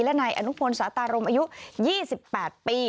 และนายอนุพลสาตารมอายุ๒๘ปี